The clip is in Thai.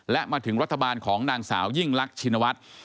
และมาถึงรัฐบาลของนางสาวยิ่งลักชินวัฒน์